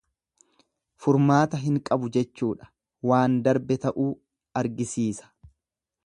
Furmaata hin qabu jechuudha, waan darbe ta'uu argisiisa.